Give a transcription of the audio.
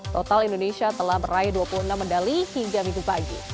total indonesia telah meraih dua puluh enam medali hingga minggu pagi